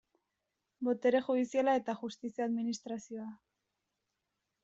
Botere judiziala eta justizia administrazioa.